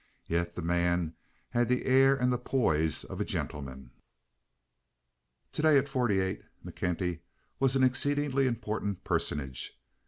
Yet the man had the air and the poise of a gentleman. To day, at forty eight, McKenty was an exceedingly important personage.